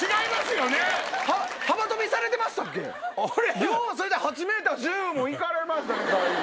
⁉ようそれで８ｍ１０も行かれましたね最後。